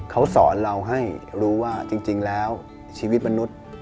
เขาสอนเราให้รู้ว่าจริงแล้วชีวิตมนุษย์